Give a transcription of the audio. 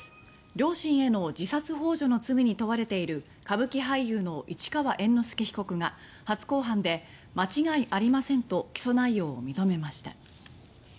両親への自殺ほう助の罪に問われている歌舞伎俳優の市川猿之助被告が初公判で間違いありませんと起訴内容を認めました。